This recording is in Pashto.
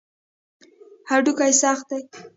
هډوکي سخت دي.